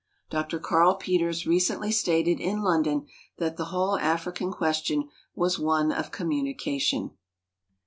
Dr Karl Peters recently stated in London that the whole African question was one of communication.